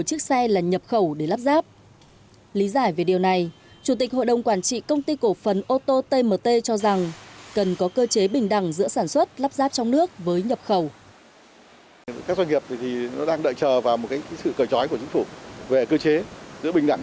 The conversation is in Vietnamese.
các doanh nghiệp đang đợi chờ vào sự cờ chói của chính phủ về cơ chế giữa bình đẳng